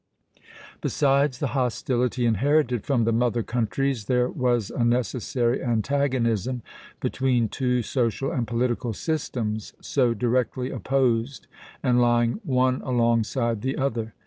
Besides the hostility inherited from the mother countries, there was a necessary antagonism between two social and political systems, so directly opposed, and lying one alongside the other.